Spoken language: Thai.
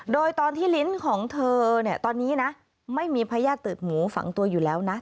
โดยตอนที่ลิ้นของเธอเนี่ยตอนนี้นะไม่มีพญาติตืดหมูฝังตัวอยู่แล้วนะ